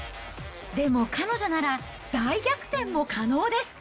でも彼女なら、大逆転も可能です。